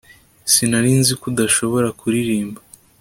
Sinari nzi ko udashobora kuririmba